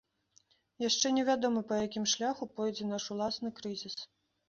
Яшчэ невядома, па якім шляху пойдзе наш уласны крызіс.